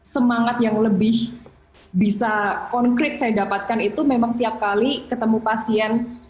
semangat yang lebih bisa konkret saya dapatkan itu memang tiap kali ketemu pasien